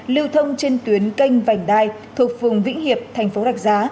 lưu thông trên tuyến kênh vành đai thuộc phường vĩnh hiệp tp đặc giá